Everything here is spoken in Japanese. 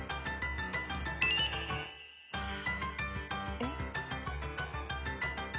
えっ？